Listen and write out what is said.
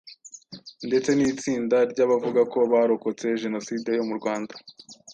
ndetse n'itsinda ry'abavuga ko barokotse jenoside yo mu Rwanda